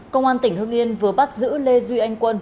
công an tỉnh hưng yên vừa bắt giữ lê duy anh quân